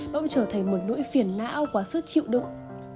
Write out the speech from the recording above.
ông trở thành một nỗi phiền não quá sức chịu đựng